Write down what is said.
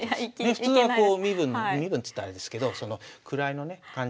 普通はこう身分身分っつったらあれですけど位のね感じ。